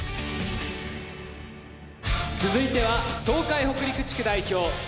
続いては東海北陸地区代表鈴鹿高専。